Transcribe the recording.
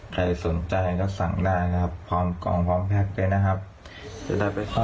ใครสนใจก็สั่งได้นะครับพร้อมกล่องพร้อมแพ็คด้วยนะครับจะได้ไปขอ